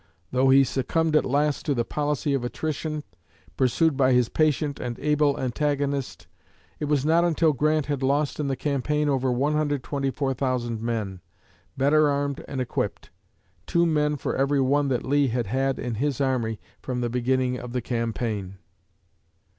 Though he succumbed at last to the "policy of attrition," pursued by his patient and able antagonist, it was not until Grant had lost in the campaign over 124,000 men, better armed and equipped two men for every one that Lee had had in his army from the beginning of the campaign.